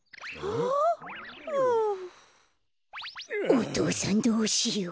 お父さんどうしよう。